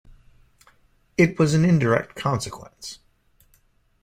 It was an indirect consequence.